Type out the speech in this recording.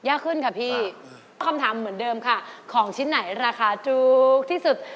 ยากขึ้นค่ะพี่คำถามเหมือนเดิมค่ะของชิ้นไหนราคาถูกที่สุด